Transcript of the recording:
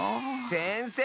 せんせい！